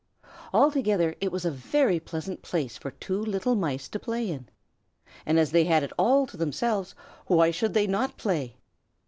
Altogether, it was a very pleasant place for two little mice to play in; and as they had it all to themselves, why should they not play?